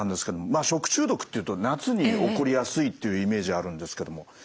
まあ食中毒っていうと夏に起こりやすいっていうイメージがあるんですけども。